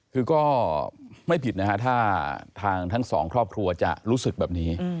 คือก็ไม่ผิดนะฮะถ้าทางทั้งสองครอบครัวจะรู้สึกแบบนี้